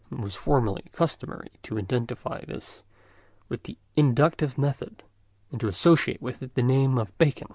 It was formerly customary to identify this with the inductive method, and to associate it with the name of Bacon.